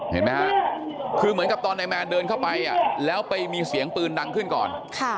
เห็นไหมฮะคือเหมือนกับตอนนายแมนเดินเข้าไปแล้วไปมีเสียงปืนดังขึ้นก่อน